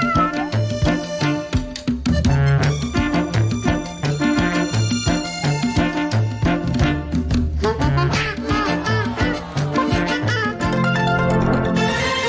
โปรดติดตามตอนต่อไป